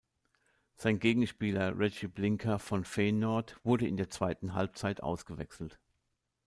Sein Gegenspieler Regi Blinker von Feyenoord wurde in der zweiten Halbzeit ausgewechselt.